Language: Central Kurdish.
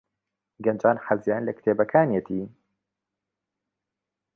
گەنجان حەزیان لە کتێبەکانیەتی.